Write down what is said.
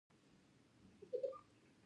دا ټولنیز عدالت دی.